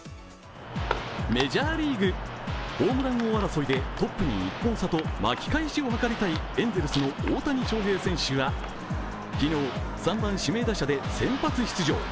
メジャーリーグ、ホームラン王争いでトップに１本差と巻き返しを図りたいエンゼルスの大谷翔平選手が昨日、３番指名打者で先発出場。